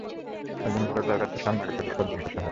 একজন ভালো ড্রাইভারকে সামনে এগুতে হলে গর্জন করতে হয়!